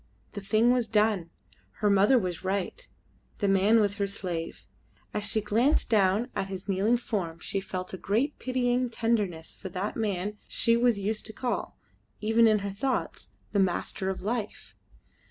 The thing was done. Her mother was right. The man was her slave. As she glanced down at his kneeling form she felt a great pitying tenderness for that man she was used to call even in her thoughts the master of life.